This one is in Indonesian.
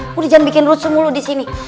lu jangan bikin rusuh mulu disini